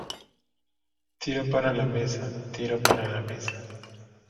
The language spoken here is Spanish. tira para la mesa, tira para la mesa.